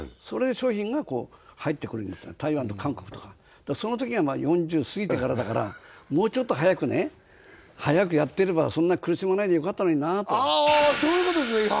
それで商品が入ってくるようになった台湾と韓国とかそのときが４０すぎてからだからもうちょっと早くね早くやってればそんな苦しまないでよかったのになとそういうことですね